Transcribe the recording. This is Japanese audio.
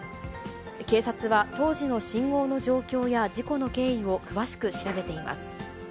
警察は、当時の信号の状況や事故の経緯を詳しく調べています。